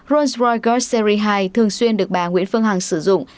rolls royce golf series hai thường xuyên được bà nguyễn phương hằng sử dụng